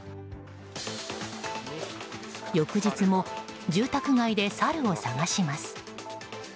翌日も住宅街でサルを探します。